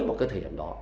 một cái thể hiện đó